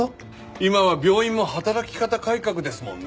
今は病院も働き方改革ですもんね。